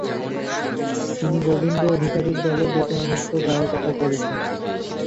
তিনি গোবিন্দ অধিকারীর দলে বেতনভুক গায়কতা করেছেন।